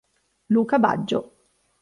Luca Baggio